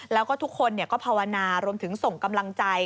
แล้วก็ทุกคนก็ภาวนารวมถึงส่งกำลังใจ